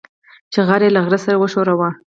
چې غر يې له غره سره وښوراوه.